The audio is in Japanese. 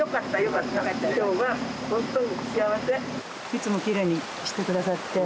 いつもきれいにしてくださって。